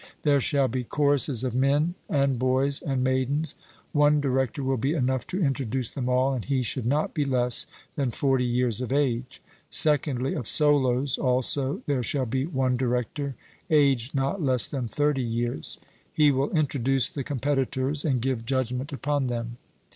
There shall be choruses of men and boys and maidens one director will be enough to introduce them all, and he should not be less than forty years of age; secondly, of solos also there shall be one director, aged not less than thirty years; he will introduce the competitors and give judgment upon them.